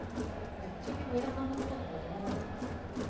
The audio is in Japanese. ぶっちゃけ上田さんのことってどう思ってます？